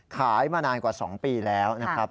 ขายมานานกว่า๒ปีแล้วนะครับ